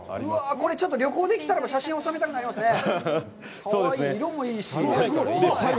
これちょっと旅行で来たら写真におさめたくなりますね。